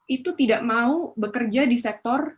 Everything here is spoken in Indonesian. itu tidak mau bekerja di sektor